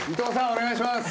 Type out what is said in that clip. お願いします。